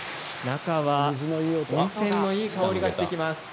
中は温泉のいい香りがしてきます。